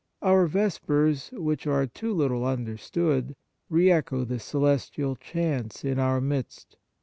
Our Vespers, which are too little under stood, re echo the celestial chants in our midst.